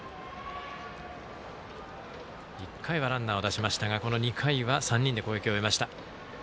１回はランナーを出しましたがこの２回は３人で攻撃を終えました。